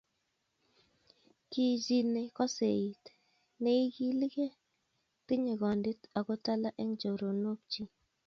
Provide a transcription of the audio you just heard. Kichi nekosei it, neikilegei, tinyei kondit ako talaa eng choronokchi